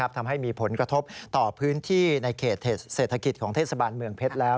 ทำให้มีผลกระทบต่อพื้นที่ในเขตเศรษฐกิจของเทศบาลเมืองเพชรแล้ว